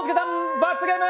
罰ゲーム！